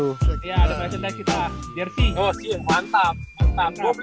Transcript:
oh sial mantap mantap